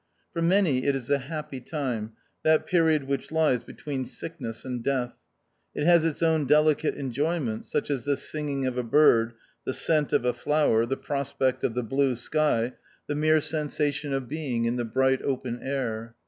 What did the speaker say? For many it is a happy time, that period which lies between sickness and health. It has its own delicate enjoyments, such as the sing ino of a bird, the scent of a flower, the prospect of the blue sky, the mere sensation i 4 o HIE OUTCAST. of being in the bright open air.